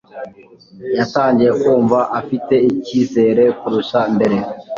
yatangiye kumva afite icyizere kurusha mbere.